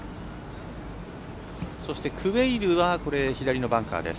そして、クウェイルは左のバンカーです。